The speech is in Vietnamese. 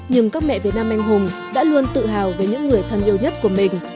nhưng các mẹ việt nam anh hùng đã luôn tự hào về những người thân yêu nhất của mình